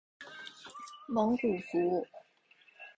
蒙古族。